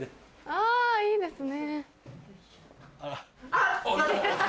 あっいいですよ。